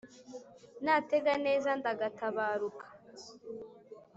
natega neza ndagatabaruka.